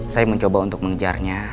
saya mencoba untuk mengejarnya